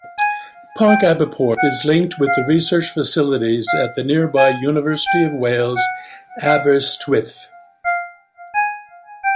ParcAberporth is linked with the research facilities at the nearby University of Wales, Aberystwyth.